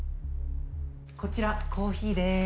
こちらコーヒーです。